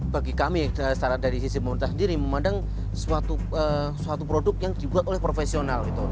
bagi kami dari sisi pemerintah sendiri memandang suatu produk yang dibuat oleh profesional